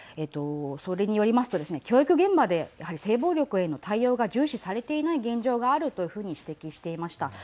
それによりますと教育現場で性暴力への対応が重視されていない現状があるというふうに指摘していました。